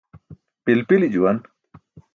Pilpili juwan.